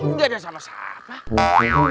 nggak ada siapa siapa